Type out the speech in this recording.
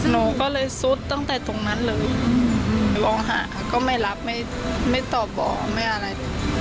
หนูก็เลยซุดตั้งแต่ตรงนั้นเลยไปมองหาก็ไม่รับไม่ตอบบอกไม่อะไรเลย